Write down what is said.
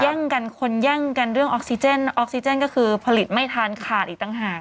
กันคนแย่งกันเรื่องออกซิเจนออกซิเจนก็คือผลิตไม่ทันขาดอีกต่างหาก